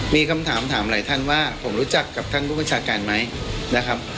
มีคำถามถามหลายท่านว่าผมรู้จักกับท่านผู้บัญชาการไหมนะครับ